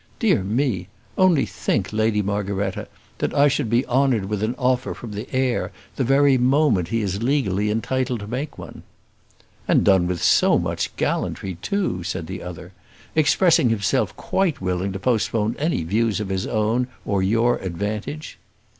"Dear me! only think, Lady Margaretta, that I should be honoured with an offer from the heir the very moment he is legally entitled to make one." "And done with so much true gallantry, too," said the other; "expressing himself quite willing to postpone any views of his own or your advantage."